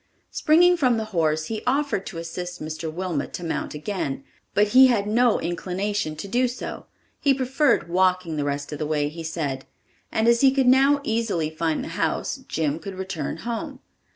Springing from the horse he offered to assist Mr. Wilmot to mount again, but he had no inclination to do so. He preferred walking the rest of the way, he said, and as he could now easily find the house, Jim could return home.